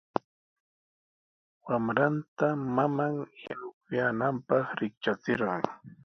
Wamranta maman yanukuyaananpaq riktrachirqan.